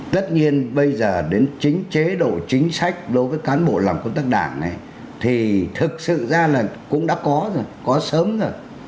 tất nhiên bây giờ đến chính chế độ chính sách đối với cán bộ làm công tác đảng thì thực sự ra là cũng đã có rồi có sớm rồi